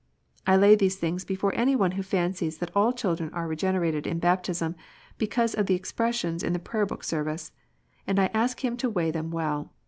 I lay these things before any one who fancies that all children are regenerated in baptism, because of the expressions in the Prayer book service, and I ask him to weigh them well.